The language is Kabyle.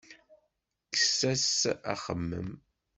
Kkes-as axemmem.